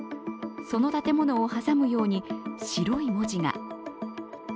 その建物を挟むように白い文字が。